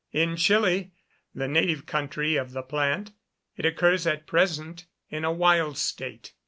In Chili, the native country of the plant, it occurs at present in a wild state.